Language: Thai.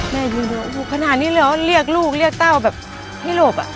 แม่ดูโอ้โฮขนาดนี้เลยเหรอเรียกลูกเรียกเต้าแบบไม่โหลบอ่ะ